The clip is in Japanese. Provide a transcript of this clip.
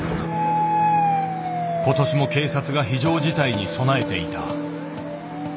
今年も警察が非常事態に備えていた。